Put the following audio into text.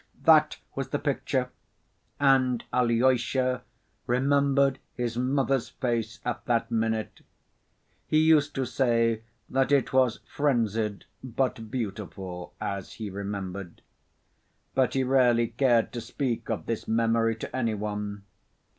That was the picture! And Alyosha remembered his mother's face at that minute. He used to say that it was frenzied but beautiful as he remembered. But he rarely cared to speak of this memory to any one.